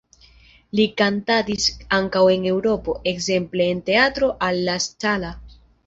Li kantadis ankaŭ en Eŭropo, ekzemple en Teatro alla Scala.